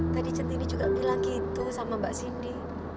tadi centini juga bilang gitu sama mbak sindi